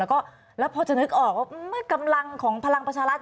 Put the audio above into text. แล้วก็แล้วพอจะนึกออกว่าเมื่อกำลังของพลังประชารัฐ